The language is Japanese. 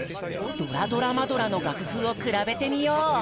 「ドラドラマドラ！」の楽譜を比べてみよう！